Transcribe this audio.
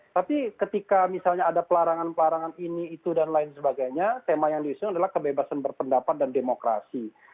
tapi ketika misalnya ada pelarangan pelarangan ini itu dan lain sebagainya tema yang diusung adalah kebebasan berpendapat dan demokrasi